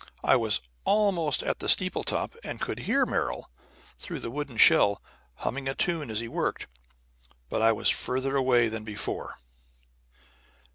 I was almost at the steeple top, and could hear Merrill, through the wooden shell, humming a tune as he worked, but I was further away than before.